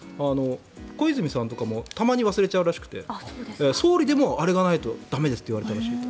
小泉さんとかもたまに忘れちゃうらしくて総理でもあれがないと駄目ですと言われたらしくて。